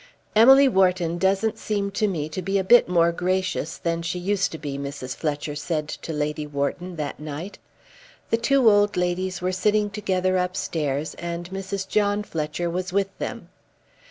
"Emily Wharton doesn't seem to me to be a bit more gracious than she used to be," Mrs. Fletcher said to Lady Wharton that night. The two old ladies were sitting together upstairs, and Mrs. John Fletcher was with them.